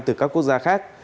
từ các quốc gia khác